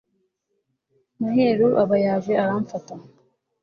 maheru aba yaje aramfata